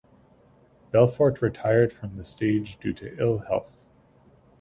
Belfort retired from the stage due to ill health.